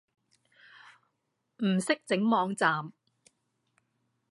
唔識整網站